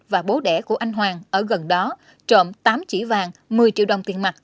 và bố đẻ của anh hoàng ở gần đó trộm tám chỉ vàng một mươi triệu đồng tiền mặt